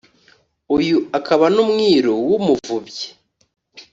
uyu akaba n’umwiru w’umuvubyi